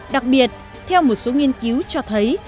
đặc biệt theo một số nghiên cứu cho thấy